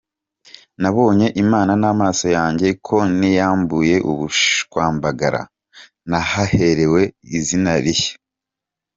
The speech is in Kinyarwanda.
Nabonye Imana n’amaso yanjye, ko niyambuye ubushwambagara, nahaherewe izina rishya.